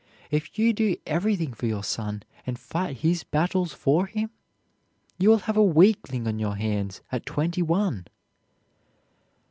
If you do everything for your son and fight his battles for him, you will have a weakling on your hands at twenty one.